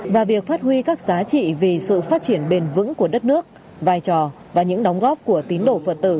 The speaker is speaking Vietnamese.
và việc phát huy các giá trị vì sự phát triển bền vững của đất nước vai trò và những đóng góp của tín đồ phật tử